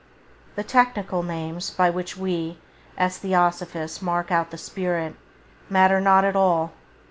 The technical names — by which we, as Theosophists, mark out the spirit — matter not at all.